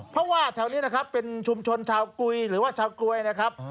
เพราะว่าแถวนี้นะครับเป็นชุมชนชาวกุยหรือว่าชาวกลวยนะครับ